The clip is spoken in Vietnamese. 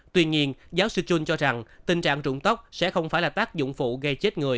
tuy nhiên giáo sư chun cho rằng tình trạng trụng tóc sẽ không phải là tác dụng phụ gây chết người